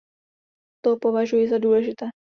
To považuji za důležité.